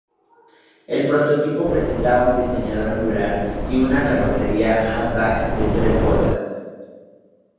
El prototipo presentaba un diseño angular y una carrocería hatchback de tres puertas.